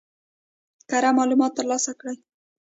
کره معلومات ترلاسه کړي.